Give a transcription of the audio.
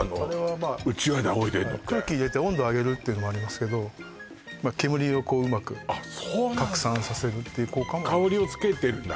うちわであおいでるのって空気入れて温度上げるっていうのもありますけど煙をこううまく拡散させるあっそうなんだっていう効果も香りをつけてるんだ